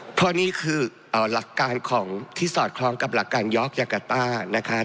เพราะนี่คือหลักการของที่สอดคล้องกับหลักการยอกยากาต้านะคะ